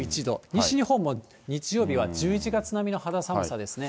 西日本も日曜日は１１月並みの肌寒さですね。